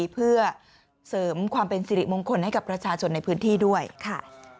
เพื่อเสริมความเป็นสิริมงคลให้กับประชาชนในพื้นที่ด้วยค่ะ